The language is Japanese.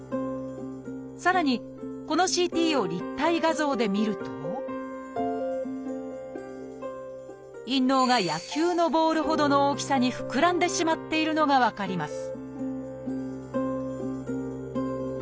さらにこのＣＴを立体画像で見ると陰嚢が野球のボールほどの大きさにふくらんでしまっているのが分かります